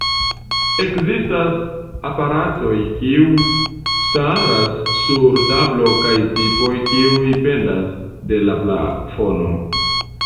Ekzistas aparatoj kiu staras sur tablo kaj tipoj kiuj pendas de la plafono.